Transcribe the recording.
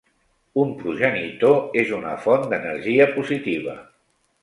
Un progenitor és una font d'energia positiva.